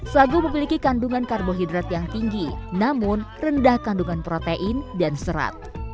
sagu memiliki kandungan karbohidrat yang tinggi namun rendah kandungan protein dan serat